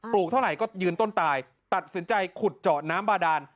ลูกเท่าไหร่ก็ยืนต้นตายตัดสินใจขุดเจาะน้ำบาดาน